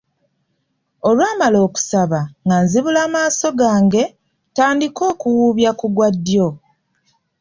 Olwamala okusaba, nga nzibula maaso gange, ntandike okuwubya ku gwa ddyo.